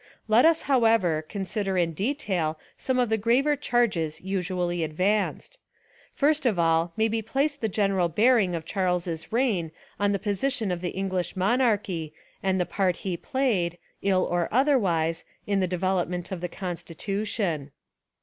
Let us, however, consider in detail some of the graver charges usually advanced. First of all may be placed the general bearing of Charles's reign on the 280 A Rehabilitation of Charles II position of the English monarchy and the part he played, ill or otherwise, in the development of the constitution.